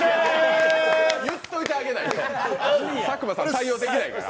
言っといてあげないと佐久間さん対応できないから。